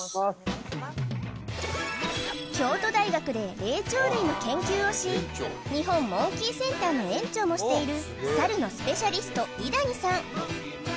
京都大学で霊長類の研究をし日本モンキーセンターの園長もしているサルのスペシャリスト伊谷さん